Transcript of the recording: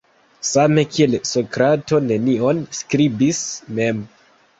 Same kiel Sokrato nenion skribis mem.